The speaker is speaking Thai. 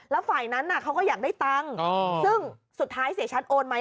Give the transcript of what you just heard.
แล้วฝ่ายนั้นเขาก็อยากได้ตังค์ซึ่งสุดท้ายเสียชัดโอนไหม